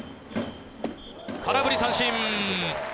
空振り三振。